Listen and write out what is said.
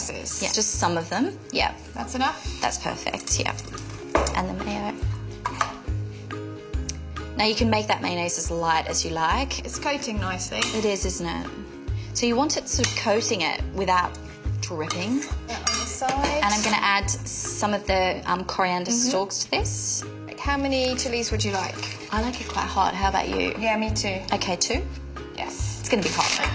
はい。